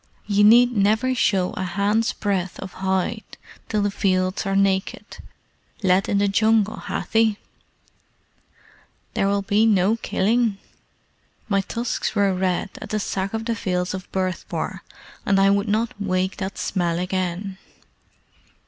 Ye need never show a hand's breadth of hide till the fields are naked. Let in the Jungle, Hathi!" "There will be no killing? My tusks were red at the Sack of the Fields of Bhurtpore, and I would not wake that smell again."